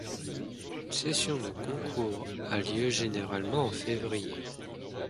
Une session de concours a lieu généralement en février.